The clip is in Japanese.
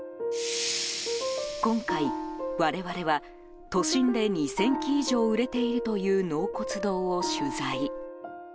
今回、我々は都心で２０００基以上売れているという納骨堂を取材。